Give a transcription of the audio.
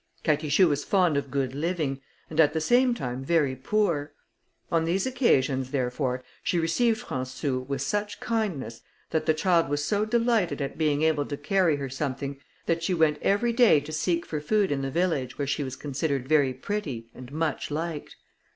Catichou was fond of good living, and at the same time very poor; on these occasions, therefore, she received Françou with such kindness, that the child was so delighted at being able to carry her something, that she went every day to seek for food in the village, where she was considered very pretty, and much liked.